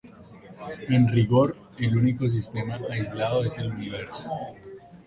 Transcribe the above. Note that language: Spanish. En rigor, el único sistema aislado es el universo.